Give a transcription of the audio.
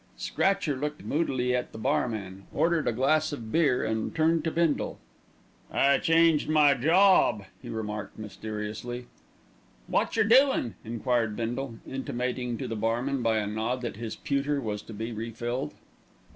Scratcher looked moodily at the barman, ordered a glass of beer and turned to Bindle. "I changed my job," he remarked mysteriously. "Wot jer doin'?" enquired Bindle, intimating to the barman by a nod that his pewter was to be refilled.